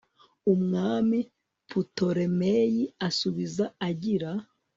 umwami putolemeyi amusubiza agira